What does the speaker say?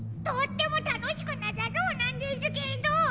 とってもたのしくなさそうなんですけど。